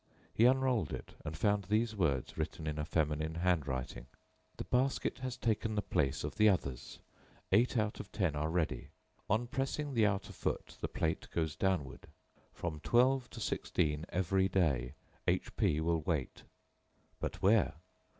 He unrolled it, and found these words, written in a feminine handwriting: "The basket has taken the place of the others. Eight out of ten are ready. On pressing the outer foot the plate goes downward. From twelve to sixteen every day, H P will wait. But where?